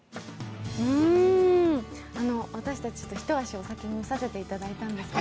私たち、一足お先に見させていただいたんですが。